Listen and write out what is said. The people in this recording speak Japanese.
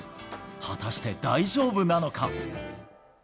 果たして大丈夫なのか。